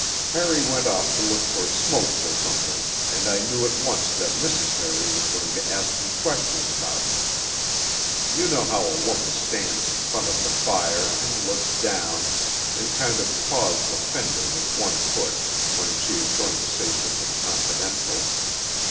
Harry went off to look for smokes or something, and I knew at once that Mrs. Harry was going to ask me questions about him. You know how a woman stands in front of the fire, and looks down, and kind of paws the fender with one foot when she is going to say something confidential.